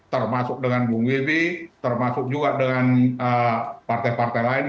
termasuk dengan bung wibi termasuk juga dengan partai partai lain